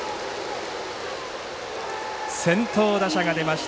先頭打者が出ました